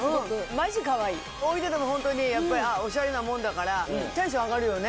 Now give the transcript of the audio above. マジかわいい置いててもホントにやっぱりオシャレなもんだからテンション上がるよね。